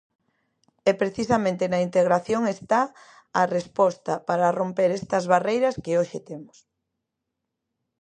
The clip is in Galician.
E precisamente na integración está a resposta para romper estas barreiras que hoxe temos.